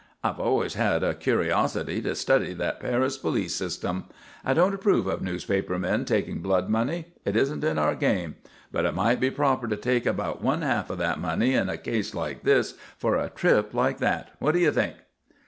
I've always had a curiosity to study that Paris police system. I don't approve of newspaper men taking blood money. It isn't in our game. But it might be proper to take about one half of that money in a case like this for a trip like that. What do you think?"